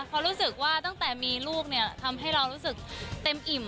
เพราะรู้สึกว่าตั้งแต่มีลูกเนี่ยทำให้เรารู้สึกเต็มอิ่ม